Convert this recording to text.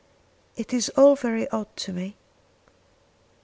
"It is all very odd to me.